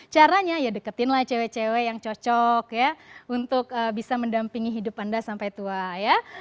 caranya ya deketinlah cewek cewek yang cocok ya untuk bisa mendampingi hidup anda sampai tua ya